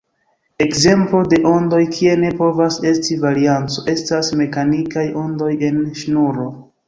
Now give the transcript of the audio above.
Ekzemplo de ondoj kie ne povas esti varianco estas mekanikaj ondoj en ŝnuro.